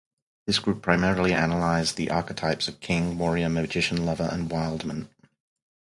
This group primarily analyzed the archetypes of King, Warrior, Magician, Lover and Wildman.